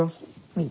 うん。